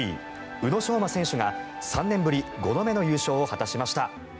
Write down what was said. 宇野昌磨選手が３年ぶり５度目の優勝を果たしました。